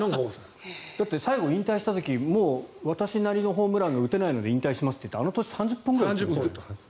最後引退した時もう私なりのホームランが打てないので引退しますって言ってあの年、３０本ぐらい打ってる。